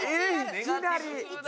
いきなり！